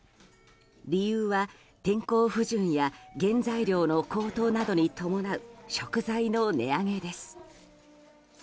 理由は、天候不順や原材料の高騰などに伴う食材の値上げです。